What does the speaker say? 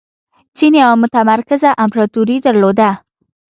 چین یوه متمرکزه امپراتوري درلوده.